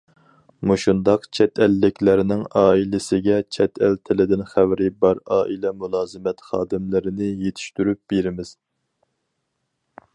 مۇشۇنداق چەت ئەللىكلەرنىڭ ئائىلىسىگە چەت ئەل تىلىدىن خەۋىرى بار ئائىلە مۇلازىمەت خادىملىرىنى يېتىشتۈرۈپ بېرىمىز.